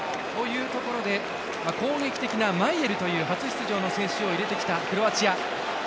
攻撃的なマイエルという初出場の選手を入れてきたクロアチア。